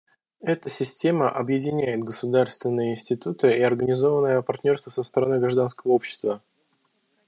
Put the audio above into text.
Эта система объединяет государственные институты и организованное партнерство со стороны гражданского общества.